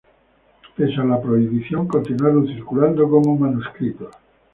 Pese a la prohibición, continuaron circulando como manuscritos.